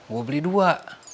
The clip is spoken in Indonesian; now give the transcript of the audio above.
gue beli dua